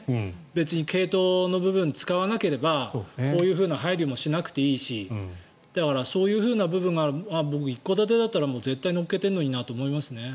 別に系統の部分を使わなければこういうふうな配備もしなくていいしだから、そういうふうな部分が一戸建てだったら絶対乗っけてるのにと思いますけどね。